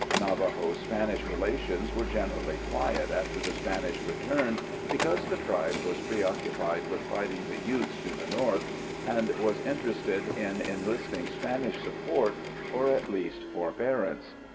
Navajo Spanish relations were generally quiet after the Spanish returned because the tribe was preoccupied with fighting the Utes to the north and was interested in enlisting Spanish support or, at least, forbearance.